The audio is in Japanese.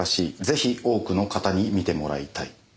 ぜひ多くの方に見てもらいたい」